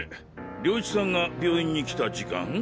涼一さんが病院に来た時間？